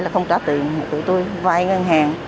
là không trả tiền tụi tôi vai ngân hàng